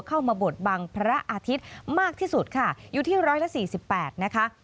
เข้ามาบวชบังพระอาทิตย์มากที่สุดค่ะอยู่ที่๑๔๘นะคะ